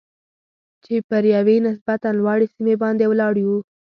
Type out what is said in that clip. چې پر یوې نسبتاً لوړې سیمې باندې ولاړ یو.